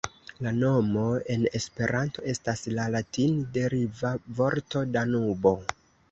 La nomo en Esperanto estas la latin-deriva vorto "Danubo".